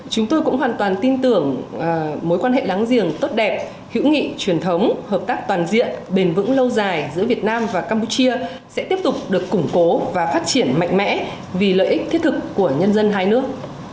chúng tôi cũng hoàn toàn tin tưởng mối quan hệ láng giềng tốt đẹp hữu nghị truyền thống hợp tác toàn diện bền vững lâu dài giữa việt nam và campuchia sẽ tiếp tục được củng cố và phát triển mạnh mẽ vì lợi ích thiết thực của nhân dân hai nước